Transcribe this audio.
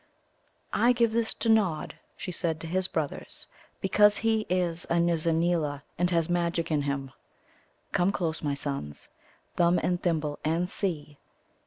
"I give this to Nod," she said to his brothers, "because he is a Nizza neela, and has magic in him. Come close, my sons, Thumb and Thimble, and see.